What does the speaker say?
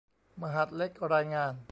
มหาดเล็กรายงาน